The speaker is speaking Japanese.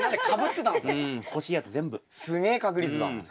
すげえ確率だな。